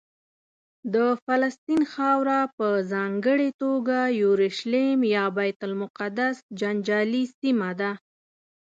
د فلسطین خاوره په ځانګړې توګه یورشلیم یا بیت المقدس جنجالي سیمه ده.